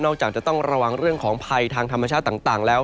จากจะต้องระวังเรื่องของภัยทางธรรมชาติต่างแล้ว